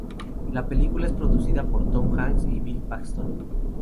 La película es producida por Tom Hanks y Bill Paxton.